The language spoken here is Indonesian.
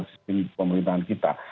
sistem pemerintahan kita